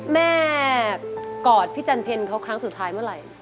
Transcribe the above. กอดพี่จันเพลเขาครั้งสุดท้ายเมื่อไหร่